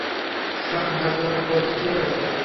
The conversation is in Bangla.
সব জাকজমক পছন্দ ছিলো ওর।